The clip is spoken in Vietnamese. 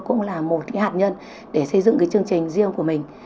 cũng là một hạt nhân để xây dựng chương trình riêng của mình